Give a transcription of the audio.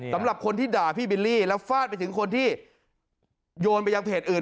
สำหรับคนที่ด่าพี่บิลลี่แล้วฟาดไปถึงคนที่โยนไปยังเพจอื่น